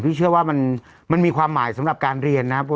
พี่เชื่อว่ามันมีความหมายสำหรับการเรียนนะครับ